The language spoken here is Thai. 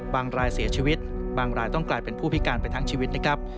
รายเสียชีวิตบางรายต้องกลายเป็นผู้พิการไปทั้งชีวิตนะครับ